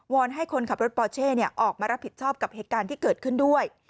อนให้คนขับรถปอเช่ออกมารับผิดชอบกับเหตุการณ์ที่เกิดขึ้นด้วย